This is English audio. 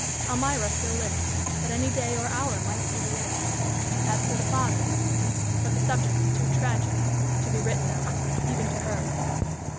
Elmira still lived; but any day or hour might see the end. As for the father But the subject was too tragic to be written of, even to her.